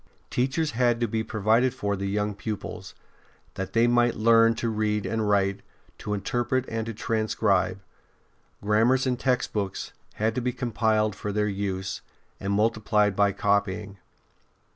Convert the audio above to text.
Teachers had to be provided for the young pupils, that they might learn to read and write, to interpret and to transcribe. Grammars and textbooks had to be compiled for their use, and multiplied by copying.